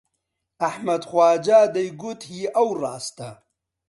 ئەحمەد خواجا دەیگوت هی ئەو ڕاستە